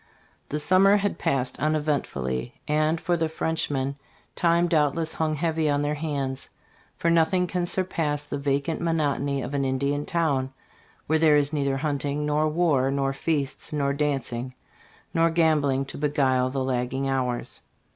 The summer had passed uneventfully, and "for the Frenchmen time doubtless hung heavy on their hands ; for nothing can surpass the va cant monotony of an Indian town when there is neither hunting, nor war, nor feasts, nor dancing, nor gambling to beguile the lagging hours.''